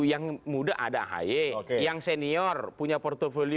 yang muda ada ahy yang senior punya portfolio